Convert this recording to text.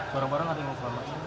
barang barang ada yang mengklamasi